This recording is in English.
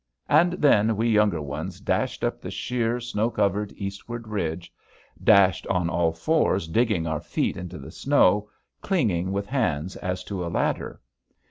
And then we younger ones dashed up the sheer, snow covered eastward ridge dashed on all fours digging our feet into the snow, clinging with hands as to a ladder.